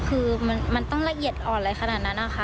คือไปเรียกรองคือไม่ได้เลยใช่ไหมค่ะ